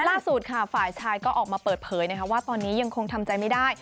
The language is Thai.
ล่าสุดค่ะฝ่ายชายก็ออกมาเปิดเผยว่าตอนนี้ยังคงทำใจไม่ได้